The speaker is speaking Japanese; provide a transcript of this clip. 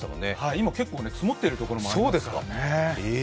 今、結構積もっているところもありますからね。